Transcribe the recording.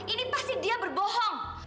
ini pasti dia berbohong